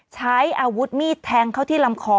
ใช้อาวุธมีดแทงเข้าที่ลำคอ